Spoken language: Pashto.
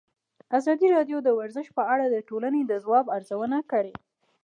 ازادي راډیو د ورزش په اړه د ټولنې د ځواب ارزونه کړې.